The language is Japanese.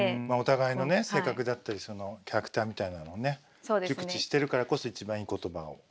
まあお互いのね性格だったりキャラクターみたいなのをね熟知してるからこそ一番いい言葉を。